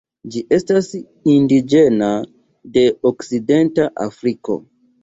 Ĝi estas indiĝena de Okcidenta Afriko.